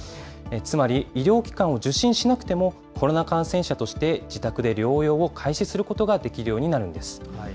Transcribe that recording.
つまり、医療機関を受診しなくても、コロナ感染者として自宅で療養を開始することができるようになるんです。